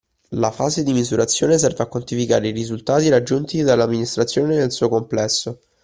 La fase di misurazione serve a quantificare i risultati raggiunti dall'amministrazione nel suo complesso